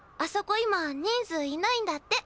今人数いないんだって！